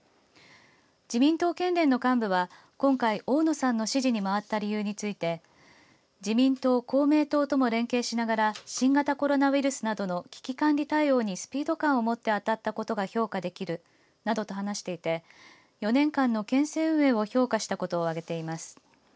自民党県連の幹部は今回大野さんの支持に回った理由について自民党、公明党とも連携しながら新型コロナウイルスなどの危機管理対応にスピード感を持って当たったことが評価できるなどと話していて４年間の県政運営を評価したことを挙げています。